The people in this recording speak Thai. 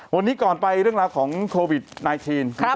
วันนี้ก่อนไปเรื่องราวของโควิด๑๙